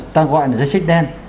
ta gọi là danh sách đen